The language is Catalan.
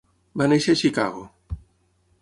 Va néixer a Chicago.